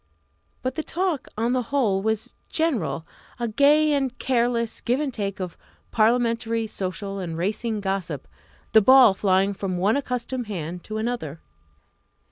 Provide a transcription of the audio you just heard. But the talk, on the whole, was general a gay and careless give and take of parliamentary, social, and racing gossip, the ball flying from one accustomed hand to another.